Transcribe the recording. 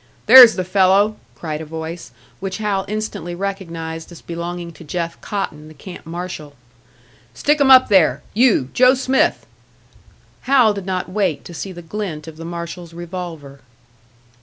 "There's the fellow!" cried a voice, which Hal instantly recognised as belonging to Jeff Cotton, the camp marshal. "Stick 'em up, there! You, Joe Smith!" Hal did not wait to see the glint of the marshal's revolver.